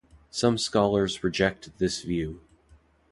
Some scholars reject this view.